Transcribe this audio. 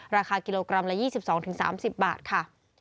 ราคากิโลกรัมละ๒๒๓๐บาทค่ะ